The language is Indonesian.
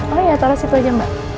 oh iya tolong situ aja mbak